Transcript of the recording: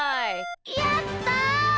やった！